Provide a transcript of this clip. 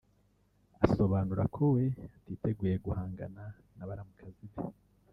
Asobanura ko we atiteguye guhangana na baramukazi be